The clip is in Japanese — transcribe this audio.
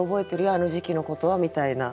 あの時期のことはみたいな。